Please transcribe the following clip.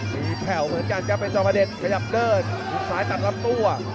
มีแผ่วเหมือนกันครับไอ้จอมอเดชน์ขยับเดินหลุดซ้ายตัดรับตัว